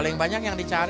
kedua harganya juga lumayan